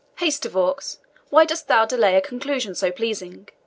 Haste, De Vaux, why dost thou delay a conclusion so pleasing?